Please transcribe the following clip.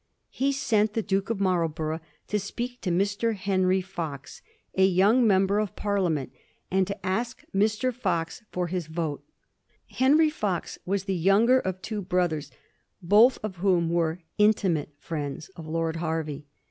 He sent the Duke of Marlborough to speak to Mr. Henry Fox, a young member of Parliament, and to ask Mr. Fox for his vote. Henry Fox was the younger of two brothers, both of whom were intimate friends of Lord Hervey.